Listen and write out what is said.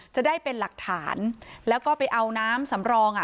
จะได้เป็นหลักฐานแล้วก็ไปเอาน้ำสำรองอ่ะ